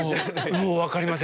もう分かりません。